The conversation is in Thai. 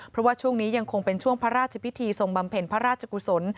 เพราะว่าช่วงนี้ยังคงเป็นช่วงพระราชพิธีทรงบำเพ็ญพระราชกุศล